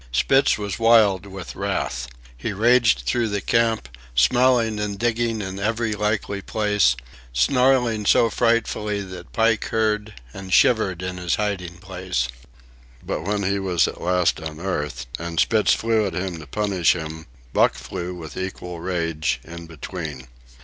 Spitz was wild with wrath. He raged through the camp, smelling and digging in every likely place, snarling so frightfully that Pike heard and shivered in his hiding place. But when he was at last unearthed, and Spitz flew at him to punish him, Buck flew, with equal rage, in between.